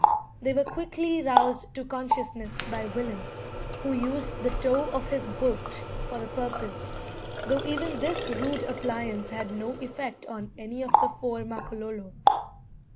They were quickly roused to consciousness by Willem, who used the toe of his boot for the purpose; though even this rude appliance had no effect on any of the four Makololo.